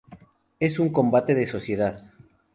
Es un combate de sociedad".